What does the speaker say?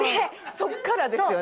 そこからですよね